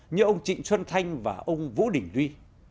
như ông trịnh xuân thanh và ông vũ đình duy